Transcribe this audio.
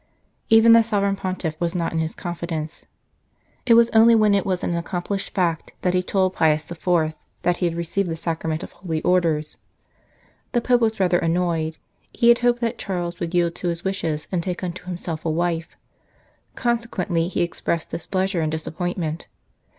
Even the Sovereign Pontiff was not in his con fidence ; it was only when it was an accomplished fact that he told Pius IV. that he had received the Sacrament of Holy Orders. The Pope was rather annoyed ; he had hoped that Charles would yield to his wishes and take unto himself a wife ; consequently he expressed displeasure and disappointment.